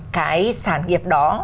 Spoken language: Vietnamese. cái sản nghiệp đó